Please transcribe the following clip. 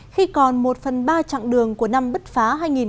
khi còn một phần ba chặng đường của năm bứt phá hai nghìn một mươi chín